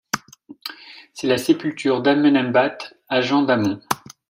C'est la sépulture d'Amenemhat, agent d'Amon.